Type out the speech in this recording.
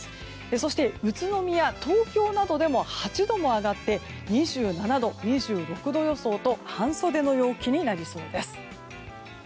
そして宇都宮、東京などでも８度も上がって２７度、２６度予想と半袖の陽気になりそうです。